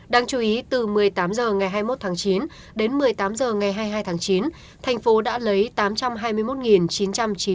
đáng chú ý từ một mươi tám h ngày hai mươi một tháng chín đến một mươi tám h ngày hai mươi hai tháng chín tp hcm đã lấy tám trăm hai mươi một chín trăm năm mươi bệnh nhân